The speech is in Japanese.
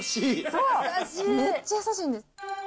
そう、めっちゃ優しいんです。